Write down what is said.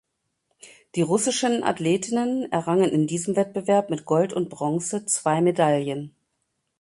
Die russischen Athletinnen errangen in diesem Wettbewerb mit Gold und Bronze zwei Medaillen.